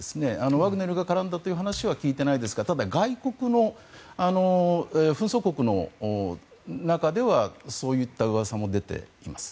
ワグネルが絡んだという話は聞いていないですがただ、外国の紛争国の中ではそういったうわさも出ています。